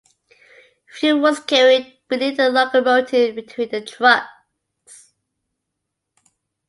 Fuel was carried beneath the locomotive between the trucks.